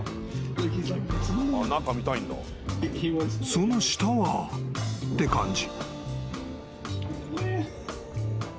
［「その下は？」って感じ］